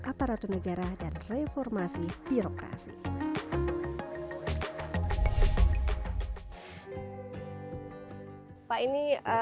apa hal paling berkesan yang bapak lakukan